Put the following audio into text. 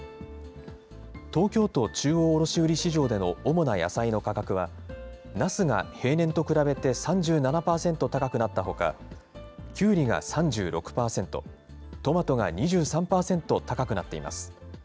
東京都中央卸売市場での主な野菜の価格は、なすが平年と比べて３７％高くなったほか、きゅうりが３６％、トマトが２３％高くなっています。